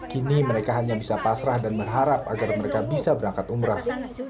kini mereka hanya bisa pasrah dan berharap agar mereka bisa berangkat umrah